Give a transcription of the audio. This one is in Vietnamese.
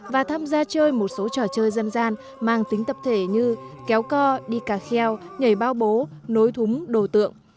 và tham gia chơi một số trò chơi dân gian mang tính tập thể như kéo co đi cà kheo nhảy bao bố nối thúng đồ tượng